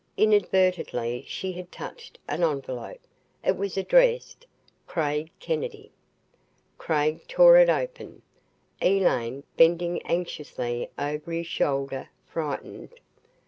Inadvertently she had touched an envelope. It was addressed, "Craig Kennedy." Craig tore it open, Elaine bending anxiously over his shoulder, frightened.